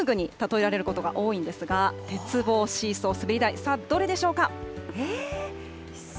ある遊具に例えられることが多いんですが、鉄棒、シーソー、滑り台、さあ、どれでしょうか？